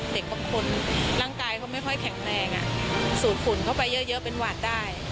เด็กบางคนร่างกายเขาไม่ค่อยแข็งแรงสูดฝุ่นเข้าไปเยอะเป็นหวาดได้